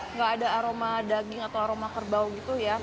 nggak ada aroma daging atau aroma kerbau gitu ya